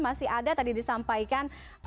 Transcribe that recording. masih ada tadi disampaikan